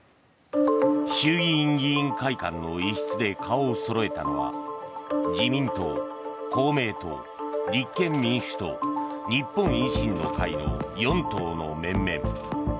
衆議院議員会館の一室で顔をそろえたのは自民党、公明党、立憲民主党日本維新の会の４党の面々。